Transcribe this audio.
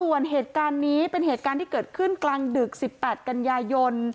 ส่วนเหตุการณ์นี้เป็นเหตุการณ์ที่เกิดขึ้นกลางดึก๑๘กันยายน